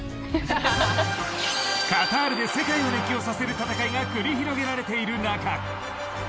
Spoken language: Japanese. カタールで世界を熱狂させる戦いが繰り広げられている中